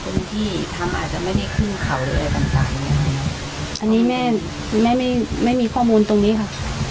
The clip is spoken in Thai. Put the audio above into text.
คนที่ทำอาจจะไม่ได้ขึ้นเขาหรืออะไรต่างอย่างเงี้ยอันนี้แม่คือแม่ไม่ไม่มีข้อมูลตรงนี้ค่ะ